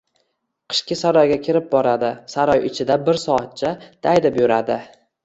Qishki saroyga kirib boradi. Saroy ichida bir soatcha... daydib yuradi.